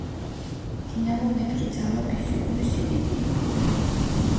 დინამომეტრი ძალა ფიზიკური სიდიდეა